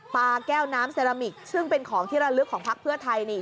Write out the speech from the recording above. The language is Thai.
ปลาแก้วน้ำเซรามิกซึ่งเป็นของที่ระลึกของพักเพื่อไทยนี่